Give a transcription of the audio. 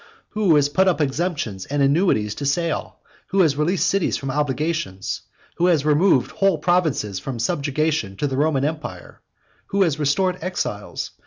who has put up exemptions and annuities to sale? who has released cities from obligations? who has removed whole provinces from subjection to the Roman empire? who has restored exiles?